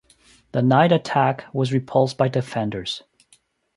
The night attack was repulsed by defenders.